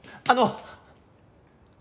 あの！